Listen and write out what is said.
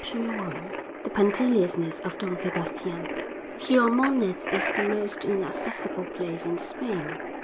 _ Orientations THE PUNCTILIOUSNESS OF DON SEBASTIAN I Xiormonez is the most inaccessible place in Spain.